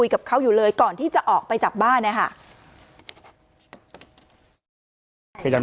กับเขาอยู่เลยก่อนที่จะออกไปจากบ้านนะคะ